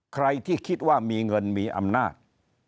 ใครที่คิดว่ามีเงินมีอำนาจ